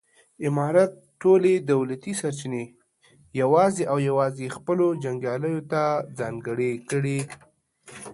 امارت ټولې دولتي سرچینې یوازې او یوازې خپلو جنګیالیو ته ځانګړې کړې.